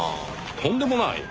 とんでもない！